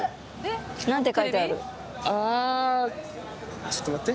あちょっと待って。